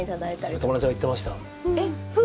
それ、友達が行ってました。